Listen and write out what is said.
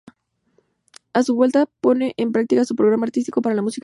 A su vuelta, pone en práctica su programa artístico para la música sacra.